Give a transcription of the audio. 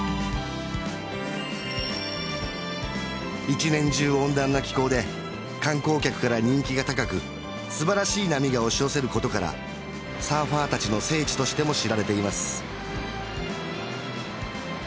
一年中温暖な気候で観光客から人気が高くすばらしい波が押し寄せることからサーファー達の聖地としても知られています